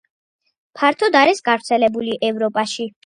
ფართოდ არის გავრცელებული ევროპაში.